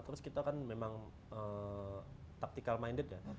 terus kita kan memang taktikal minded ya